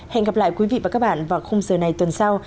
hẹn gặp lại quý vị và các bạn vào khung giờ này tuần sau